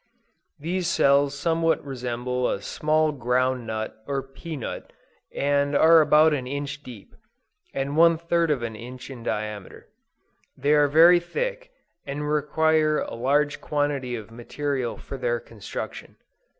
These cells somewhat resemble a small ground nut or pea nut, and are about an inch deep, and one third of an inch in diameter: they are very thick, and require a large quantity of material for their construction.